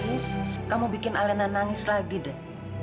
is kamu bikin alena nangis lagi deh